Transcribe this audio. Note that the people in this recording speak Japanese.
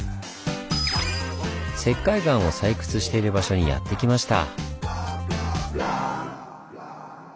石灰岩を採掘している場所にやって来ました。